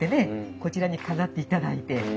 こちらに飾っていただいて。